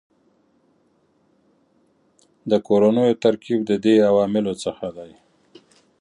د کورنیو ترکیب د دې عواملو څخه دی